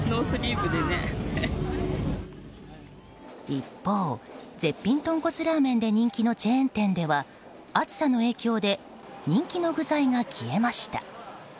一方、絶品とんこつラーメンで人気のチェーン店では暑さの影響で人気の具材が消えました。